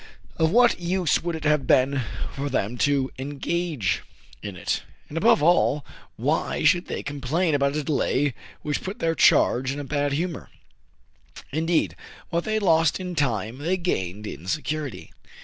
Of what use would it have been for them to engage in it ? and, above all, why should they complain about a delay which put their charge in a bad humor } Indeed, what they lost in time they gained in security.